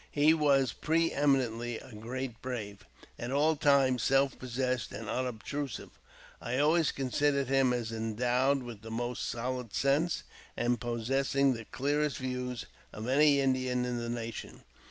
He was pre eminently a great brave, at all times self possessed and unobtrusive. I always considered him as endowed with the most solid sense, and possessing the clearest views of any Indian in the nation.